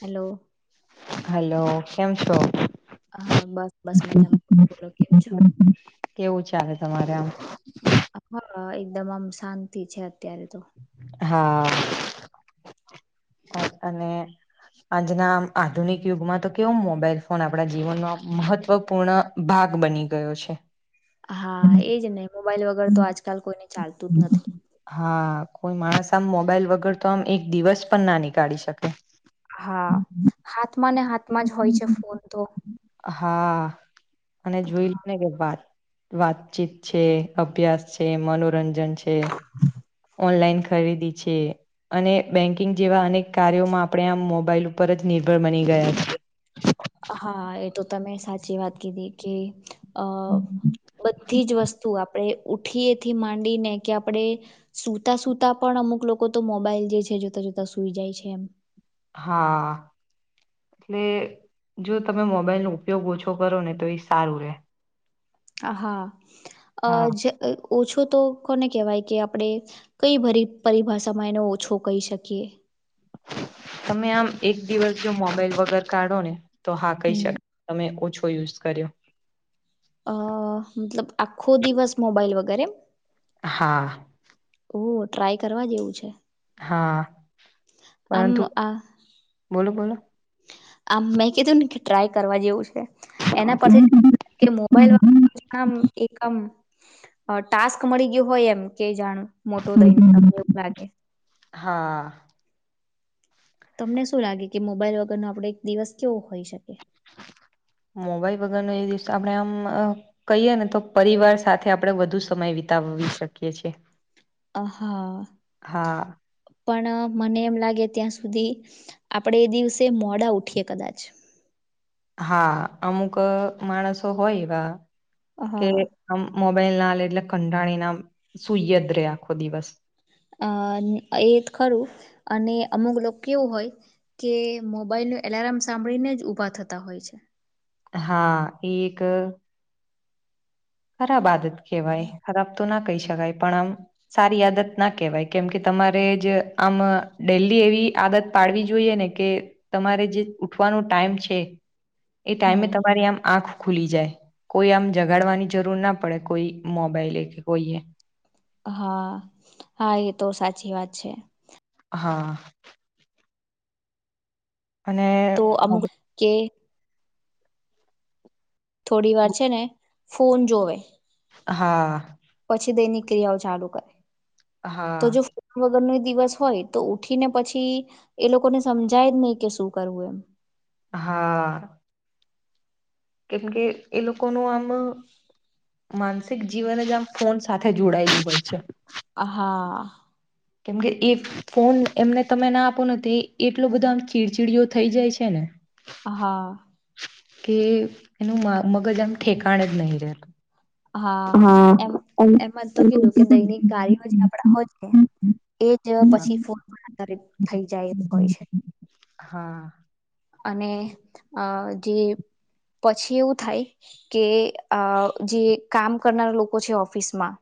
Hello hello, કેમ છો હા બસ બસ મજામાં બોલો કેમ છો કેવું ચાલે, તમારે આમ હા, એકદમ આમ શાંતિ છે, અત્યારે તો હા અને. આજના આધુનિક યુગમાં, તો કેવો મોબાઈલ ફોન આપણા જીવનનો મહત્વપૂર્ણ ભાગ. આાગ બની ગયો છે. હા, એજ ને મોબાઈલ વગર તો આજકાલ કોઈને ચાલતું જ નથી. હા કોઈ માણસ આમ મોબાઈલ વગર, તો આમ એક દિવસ પણ ના નીકાળી શકે હા, હાથમાં ને હાથમાં જ હોય છે, ફોન તો હા અને જોઈ લુંને, કે વાત વાતચીત છે અભ્યાસ છે, મનોરંજન છે, ઓનલાઈન ખરીદી છે. અને બેન્કિંગ જેવા, અનેક કાર્યોમાં આપણે આ મોબાઈલ ઉપરજ નિર્ભર, બની ગયા છે. હા એ તો તમે સાચી વાત કીધી કે અ બધી જ વસ્તુ, આપ આપણે ઉઠીએથી માંડીને કે આપણેે સુતા, સુૂતા પણ અમુક, લોકો તો મોબાઈલ જે છે. જોતા જોતા સુઈ જાય છે, એમ હા. એટલે જો, તમે મોબાઈલ નો ઉપયોગ ઓછો કરો, ને તો એ સારું રે હા, અ હા જે ઓછો, તો કોને કહેવાય કે આપણે કઈ, પરિભાષામાં એનો ઓછો કહી, શકીએ તમે આમ એક દિવસ, જો મોબાઈલ વગર કાઢો ને તો હા કહી હમ શકાય, તમે ઓછો યુઝ કર્યો અ મતલબ આખો દિવસ મોબાઈલ, વગેરે હા ઓ ટ્રાય કરવા જેવું, છે. હા, આમ પરંતુ આ બોલો, બોલો આમ, મેં કીધું ને કે ટ્રાય કરવા જેવું, છે. એના પરથી મોબાઈલમ, એક આમ ટાસ્ક મળી ગયયો હોય, એમ કે જાણ મોટો દઈને, તમને એવું લાગે હા. તમને શું લાગે, કે મોબાઈલ વગર ન આપડે એક દિવસ કેવો હોઈ, શકી [inaudible] મોબાઈલ વગરનો, એ દિવસ આપણે આમ કહીએ ને, તો પરિવાર સાથે આપડે વધુ સમય વિ બતાવવી શકીએ છે. અ, હા પણ મને એમ લાગે, ત્યાં સુધી આપડે એ દિવસે મોડા ઉઠીએ, કદાચ હા, અમુક માણસો હોય, એવા કે હા. આમ મોબાઈલના લે એટલે કંટાણી ના સુૂયદ, રે આખો દિવસ અ એ ખરું અને અમુક લોકો કેવું હોય, કે મોબાઈલ એલાર્મ સાંભળીને જ ઉભા થતા હોય છે. હા એ ખરાબ આદત કેવાય ખરાબ તો ના કહી શકાય પણ આમ સારી આદત ના કહેવાય કેમ કે તમારે જ આમ ડેલી એવી આદત પાડવી જોઈએ ને કે તમારે જે ઉઠવાનો ટાઈમ છે. એ ટાઈમે હમ તમારી આમ આંખ ખુલી જાય કોઈ આમ જગાડવાની જરૂર ના પડે કોઈ મોબાઈલ કે કોઈએ હા હા એ તો સાચી વાત છે. હા અને તો મોબ અમુક કે થોડી વાર છે ને ફોન જોવે હા પછી દૈનિક ક્રિયાઓ ચાલુ કરે હા તો જો ફોન વગરનું દિવસ હોય તો ઉઠીને પછી એ લોકોને સમજાય જ નહી કે શું કરવું એમ હા કેમ કે એ લોકો નુ આમ માનસિક જીવન જ આમ ફોન સાથે જોડાયેલું હોય છે. હા કેમકે એ ફોન એમને તમે ના આપો તો એટલો બધો આમ ચીડચીડીયો થઈ જાય છે ને હા કે એનું મન મગજ આમ ઠેકાણ જ નહી રહે હા એમ એમાં તો કીધું કે દૈનિક કાર્યો જે આપણા હોય છે. એજ પછી ફોન પણ આધારિત થઈ જાય એ હોય છે. હા અને આ જે પછી એવું થાય કે અ જે કામ કરનારા લોકો છે ઓફિસમાં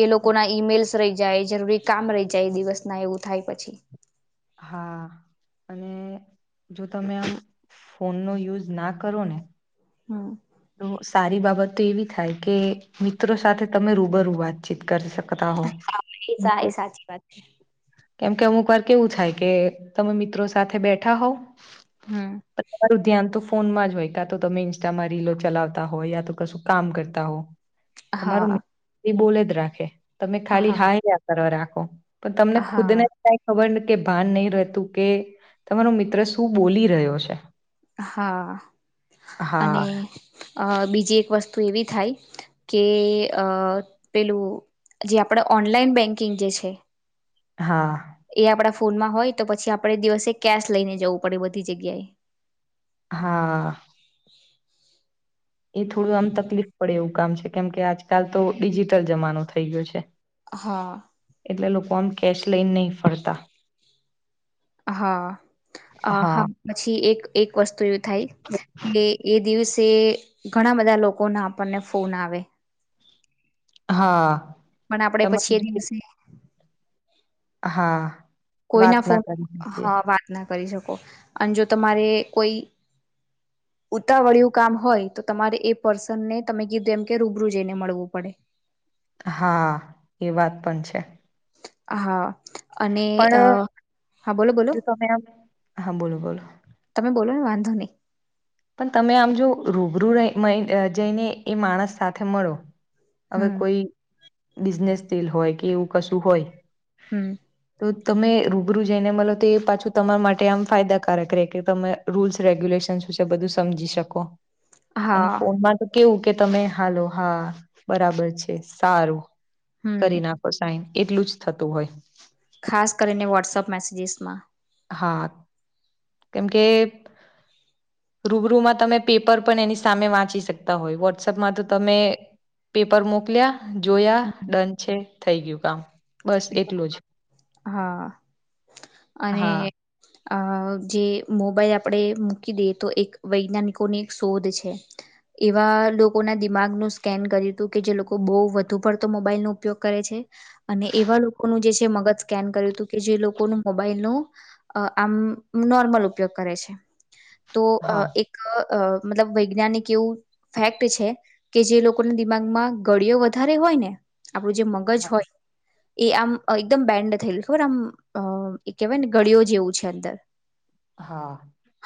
એ લોકો ના ઈમેલ્સ રહી જાય જરૂરી કામ રહી જાય દિવસ ના એવું થાય પછી હા અને જો તમે આમ ફોનનો યુઝ ના કરો ને હા સારી બાબત તો એવી થાય કે મિત્રો સાથે તમે રૂબરૂ વાતચીત કરી શકતા હો હા એ સા એ સાચી વાત છે. કેમ કે અમુક વાર કેવું થાય કે તમે મિત્રો સાથે બેઠા હોવ હમ તમારું ધ્યાન તો ફોનમાં જ હોય કા તો તમે ઇન્સ્ટામાં રીલો છ ચલાવતા હોય યા તો કશું કામ કરતા હો તમારું હા મિત બોલે જ રાખે તમે ખાલી હા હાયા કરવા રાખો પણ તમને હા ખુદને કઈ ખબર ન કે ભાન નહી રહેતું કે તમારો મિત્ર શું બોલી રહ્યો છે. હા અને હા અ બીજી એક વસ્તુ એવી થાય. કે અ પેલું જે આપડ ઓનલાઈન બેંકિંગ જે છે. હા એ આપણા ફોનમાં હોય તો પછી આપણે દિવસે કેશ લઈને જવું પડે બધી જગ્યાએ હા [inaudible] એ થોડું આમ તકલીફ પડે એવું કામ છે કેમ કે આજકાલ તો ડિજીિટલ જમાનો થઈ ગયો છે. હા એટલે લોકો આમ કેશ લઈન નહીં ફરતા હા અ હા પછી એક એક વસ્તુ એવી થાય કે એ દિવસ તે ઘણા બધા લોકો ના આપણને ફોન આવે હા પણ આપડે પછી તમારી એ જોડે દિવસે હા વાત કોઈના ના ફોન કરી શકીએ હા વાત ના કરી શકો અને જો તમારે કોઈ [inaudible] ઉતાવળિયું કામ હોય તો તમારે એ પર્સનને તમે કીધું એમ કે રૂબરૂ જઈને મળવું પડે. હા એ વાત પણ છે. હા અને પણ હા બોલો બોલો જો તમે આમ હા બોલો બોલો તમે બલોને વાંધોની પણ તમે આમ જો રૂબરૂ [unintelligible] જઈને એ માણસ સાથે મળો હવે હમ કોઈ બિઝનેસ સ્કિલ હોય કે એવું કશું હોય. હમ તો તમે રૂબરૂ જઈને મળલો તો એ પાછું તમારા માટે આમ ફાયદાકારક રહે કે તમે રૂલ્સ રેગ્યુલેશન બધું સમજી શકો અને હા ફોનમાં તો કેવું કે તમે હાલો હા બરાબર છે સારું હમ કરી નાખો સાઈન એટલું જ થતું હોય ખાસ કરીને વોટ્સઅપ મેસેજસમાં હા કેમ કે રૂબરૂમાં તમે પેપર પણ એની સામે વાંચી શકતા હોય વોટ્સઅપમાં તો તમે પેપર મોકલ્યા જોયા હમ. ડન છે થઈ ગયું કામ બસ એટલું જ હા હા અને અ જે મોબાઈલ આપણે મૂકી દઈએ તો એક વૈજ્ઞાનિકોની એક શોધ છે. એવા લોકોના દિમાગનું સ્કેન કર્યું હતું કે જે લોકો બહુ વધુ પડતો મોબાઈલનો ઉપયોગ કરે છે. અને એવા લોકોનું જે છે મગજ સ્કેન કર્યું હતું કે જે લોકોનું મોબાઈલનું આમ નોર મલ ઉપયોગ કરે છે તો અ હા એક અ મતલબ વૈજ્ઞાનિક એવું ફેક્ટ છે કે જે લોકોના દિમાગમાં ગળિયો વધારે હોય હોય ને આપણું જે મગજ હા હોય એ આમ એકદમ બેન્ડ થયેલ ખબર આમ એ કેહેવાય ને ગળિયો જેવું છે અંદર હા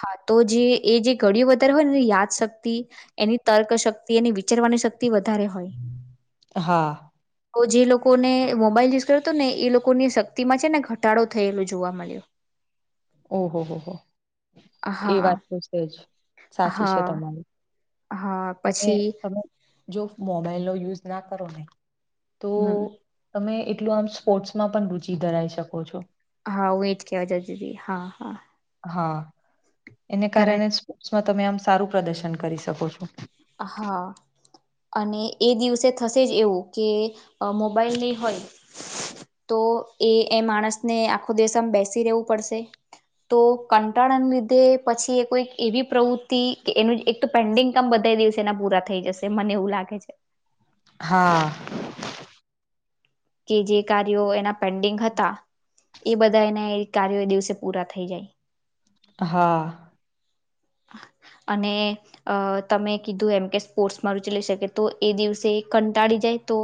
હા તો જે એ જે ઘડયો વધારે હોય ને યાદશક્તિ એની તર્કશક્તિ એની વિચારવાની શક તી વધારે હોય હા તો જે લોકોને મોબાઈલ તો તો ને એ લોકોની શક્તિમાં છે ને ઘટાડો થયેલો જોવા મળ્યો ઓહો હો એ હા વાત તો છે જ સાચી છે હા તમારી હા અને પછી તમે જો મોબાઈલનો યુઝ ના કરો ને તો હમ તમે એટલું આમ સ્પોર્ટ્સમાં પણ રુચી ધરાવી શકો છો હા હું એજ કેવાય જાતિતી હા હા હા એને કારણ કારણે સ્પોર્ટસમાં તમે આમ સારું પ્રદર્શન કરી શકો છો હા અને એ દિવસે થશે જ એવું કે મોબાઈલ ની હોય તો એ એ માણસને આખો દિવસમાં બેસી રહેેવું પડશે તો કંટાળાના લીધે પછી એ કોઈ એવી પ્રવૃતિ કે એનું એક તો પેન્ડિંગ કામ બધ બે દિવસ એના પૂરા થઈ જશે મને એવું લાગે છે. હા કે જે કાર્યો એના પેન્ડિંગ હતા એ બધા એના કાર્યો એ દિવસે પૂરા થઈ જાય હા [inaudible] અને અ તમે કીધું એમ કે સ્પોર્ટ્સમાં રૂચિ લઈ શકે તો એ દિવસે કંટાળી જાય તો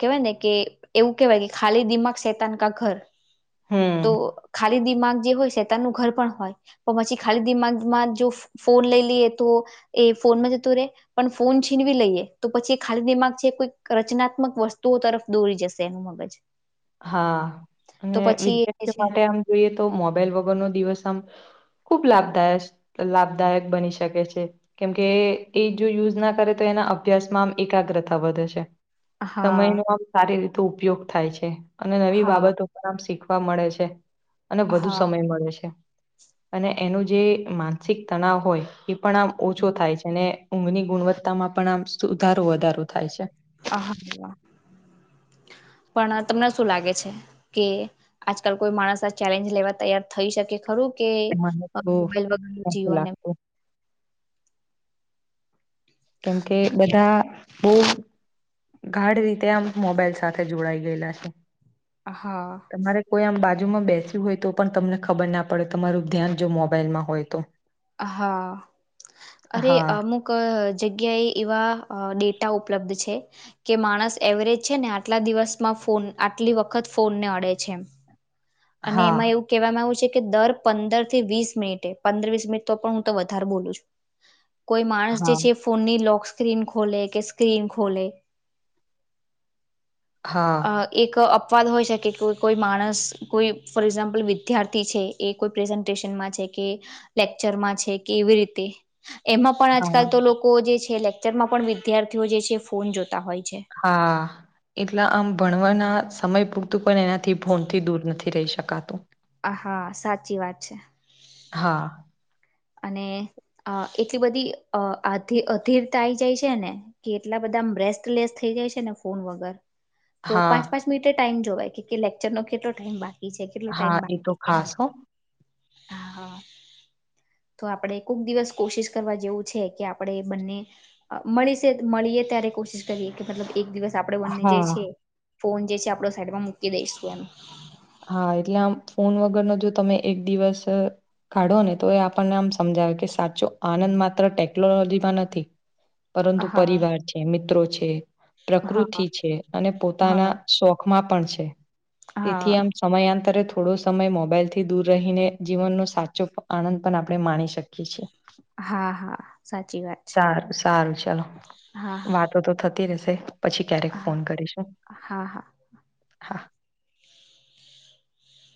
કેવાય ને કે એવું કેવાય કે ખાલી દિમાગ શેતાનકા ઘર તો હમ ખાલી દિમાગ જે હોય શેતાનું ઘર પણ હોય પણ પછી ખાલી દિમાગમાં ફોન લઈ લઈએ તો એ ફોન જ પણ ફોન છીનવી લઈએ તો પછી ખાલી છે કોઈ રચનાત્મક વસ્તુઓ તરફ દોરી જશે એનું મગજ હા તો અને પછી એ વિદ્યાર્થીઓ છે માટે આમ જોઈએ તો મોબાઈલ વગરનોો દિવસ આમ ખૂબ લાભદાય લાભદાયક બની શકે છે કેમકે એ જો યુઝ ના કરે તો એના અભ્યાસમાં આમ એકાગ્રતા વધે છે સમય હા નો આમ સારી રીતે ઉપયોગ થાય છે અને નવી હા બાબતો પણ આમ શીખ વા મળે છે અને વધુ હા સમય મળે છે અને એનું જે માનસિક તણાવ હોય એ પણ આમ ઓછો થાય છે ને ઊંઘની ગુણવત્તામાં પણ આમ સુધારો વધારો થાય છે પણ તમને શું લાગે છે કે આજકાલ કોઈ માણસ આ ચેલેન્જ લેવા તૈયાર થઈ શકે ખરું કે મને તો મોબાઈલ વગર નથી જીવવાને લાગતું કેમ કે બધા બહુ ગાઢ રીતે આમ મોબાઈલ સાથે જોડાઈ ગયેલા છે હા તમારે કોઈ આમ બાજુમાં બેસ્યું હોય તો પણ તમને ખબર ના પડે તમારું ધ્યાન જો મોબાઈલમાં હોય તો હા અરે હા, અમુક જગ્યાએ એવા ડેટા ઉપલબ્ધ છે કે માણસ એવરેજ છે ને આટલા દિવસમાં આટલી વખત ફોનને અડે છે અને એમાં હા, એવું કવામાં આવ છે કે દર પંદર થી વીસ મિનિટે પંદર વીસ મિનિટ તો પણ હું તો વધારે બોલું છું કોઈ માણસ જે હા, છે ફોનની લોક્ સ્ક્રીન ખોલે કે સ્ક્રીન ખોલે હા, અ એક અપવાદ હોય છેકે કોઈ માણસ કોઈ ફોર એક્ઝામ્પલ વિદ્યાર્થી છે એ કોઈ પ્રેઝન્ટેશનમાં છે કે લેક્ચરમાં છે કે કેવી રીતે એમાં પણ હા, આજકાલ તો લોકો જે છે લેક્ચરમાં પણ વિદ્યાર્થીઓ જે છે ફોન જોતા હોય છે હા એટલા આમ ભણવાના સમય પૂરતું કો એનાથી ફોન થી દૂર નથી રહી શકાતું આ હા સાચી વાત છે હા, અને એટલી બધી અ અધીરતા આવી જાય છે ને કે એટલા બધા એકદમ બસ્ટલેસ થઇ જાય છે ને ફોન વગર તો પાંચ હા, પાંચ મિનિટે ટાઈમ જોવાય કે લેક્ચરનોો કેટલો ટાઈમ બાંધ કેટલો ટાઈમ હા, એ તો બાકી છે એ ખાસ હો. હ તો આપણે કોુક દિવસ કોશિશ કરવા જેવું છે કે આપણે બંને મળી છે મળી ત્યારે કોશિશ કરીએ કે મતલબ એક દિવસ આપણેે બંને જે છે હા, ફોન જે છે આપડ સાઈટમાં મૂકી દઈશું એમ હા એટલે આમ ફોન વગરનોો જો તમે એક દિવસ કાઢો ને તો એ આપણને આમ સમજાવે કે સાચો આનંદ માત્ર ટેકનોલોજીમાં નથી પરંતુ હા પરિવાર છે મિત્રો છે હા પ્રકૃતિ છે અને પોતાના હા શોખમાં પણ છે તેથી આમ [inaudible] સમયાંતરે થોડો સમય મોબાઈલ થી દૂર રહીને જીવનનો સાચો આનંદ પણ આપણે માણી શકીએ છીએ હા હા સાચી વાત છે સારું સારું ચાલો હા હા વાતો તો થતી રશે પછી ક્યારેક હા ફોન કરીશું હા હા હા